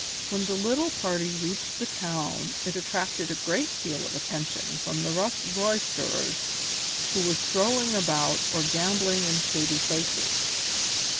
When the little party reached the town it attracted a great deal of attention from the rough roisterers who were strolling about or gambling in shady places.